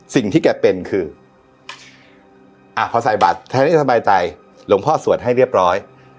สิ่งที่แกเป็นคือพอใส่บัตรแทนที่จะสบายใจหลวงพ่อสวดให้เรียบร้อย